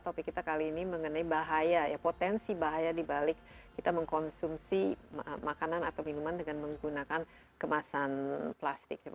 topik kita kali ini mengenai bahaya ya potensi bahaya dibalik kita mengkonsumsi makanan atau minuman dengan menggunakan kemasan plastik